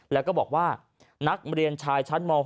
แล้วก็บอกว่านักเรียนชายชั้นม๖